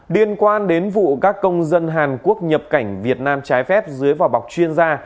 liên quan đến vụ các công dân hàn quốc nhập cảnh việt nam trái phép dưới vỏ bọc chuyên gia